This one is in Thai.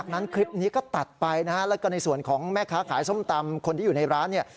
ในส่วนของแม่ค้าขายส้มตำคนที่อยู่ในร้านนี่